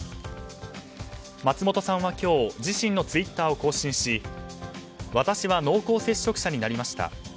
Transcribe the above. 松本さんは今日自身のツイッターを更新し私は濃厚接触者になりました。